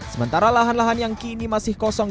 sementara lahan lahan yang kini masih kosong